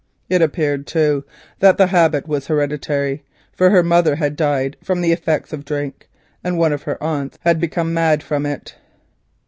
It appeared, too, that the habit was hereditary, for her mother had died from the effects of drink, and one of her aunts had become mad from it.